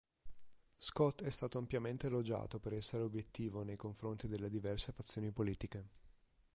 Scott è stato ampiamente elogiato per essere obiettivo nei confronti delle diverse fazioni politiche.